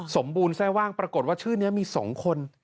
บูรณแทร่ว่างปรากฏว่าชื่อนี้มี๒คน